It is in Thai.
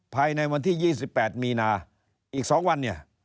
ภายในวันที่๒๘มีนาอีก๒วัน